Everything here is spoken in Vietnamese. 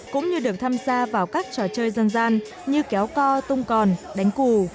cũng như được tham gia vào các trò chơi dân gian như kéo co tung còn đánh cù